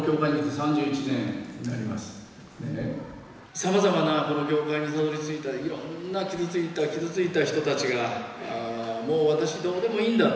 さまざまなこの教会にたどりついたいろんな傷ついた傷ついた人たちがもう私どうでもいいんだ。